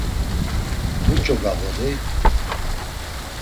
Muç̌o gağodey?